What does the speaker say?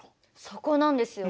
そこなんですよ。